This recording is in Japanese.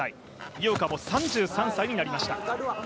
井岡も３３歳になりました。